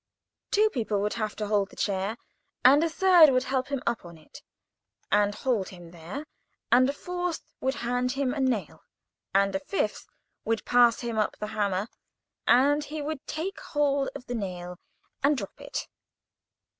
Two people would have to hold the chair, and a third would help him up on it, and hold him there, and a fourth would hand him a nail, and a fifth would pass him up the hammer, and he would take hold of the nail, and drop it.